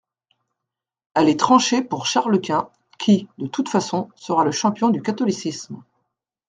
Elle est tranchée pour Charles-Quint, qui, de toutes façons, sera le champion du catholicisme.